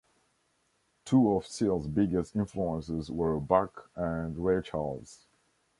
Two of Sill's biggest influences were Bach and Ray Charles.